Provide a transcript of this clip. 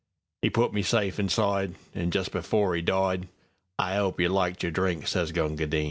'E put me safe inside, An' just before 'e died:"I 'ope you liked your drink," sez Gunga Din.